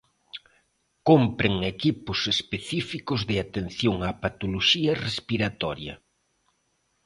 Cómpren equipos específicos de atención á patoloxía respiratoria.